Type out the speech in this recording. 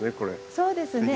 そうですね。